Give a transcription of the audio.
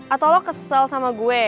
atau lo kesel sama gue